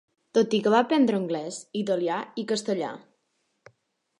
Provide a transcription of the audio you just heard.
Tot i que va aprendre anglès, italià i castellà.